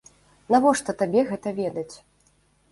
Навошта табе гэта ведаць?